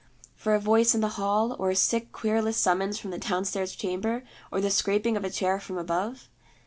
For a voice in the hall, or a sick querulous summons from the downstairs chamber, or the scraping of a chair from above?